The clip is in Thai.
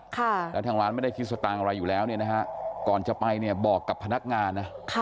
แล้วทางร้านไม่ได้คิดสตางค์อะไรอยู่แล้วก่อนจะไปบอกกับพนักงาน